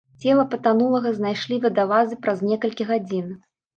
Цела патанулага знайшлі вадалазы праз некалькі гадзін.